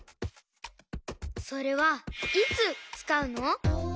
それはいつつかうの？